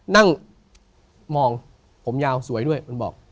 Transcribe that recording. นั่งมองผมยาวสวยด้วยมันบอก